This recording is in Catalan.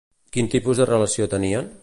Quin tipus de relació tenien?